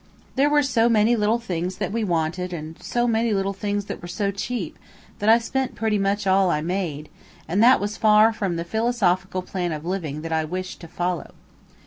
There were so many little things that we wanted, and so many little things that were so cheap, that I spent pretty much all I made, and that was far from the philosophical plan of living that I wished to follow.